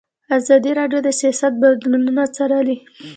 ازادي راډیو د سیاست بدلونونه څارلي.